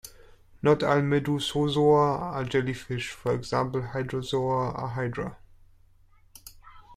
Not all Medusozoa are jellyfish; for example, Hydrozoa are hydra.